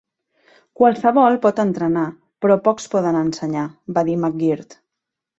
"Qualsevol pot entrenar però pocs poden ensenyar", va dir McGirt.